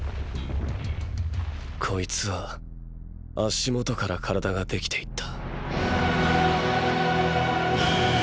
こいつは足元から体ができていった！！